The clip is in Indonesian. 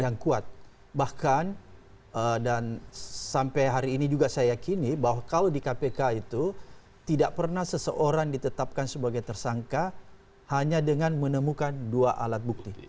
yang kuat bahkan dan sampai hari ini juga saya yakini bahwa kalau di kpk itu tidak pernah seseorang ditetapkan sebagai tersangka hanya dengan menemukan dua alat bukti